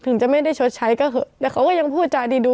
ถึงจะไม่ได้ชดใช้ก็เถอะแต่เขาก็ยังพูดจาดีดู